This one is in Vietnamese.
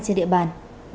trên địa bàn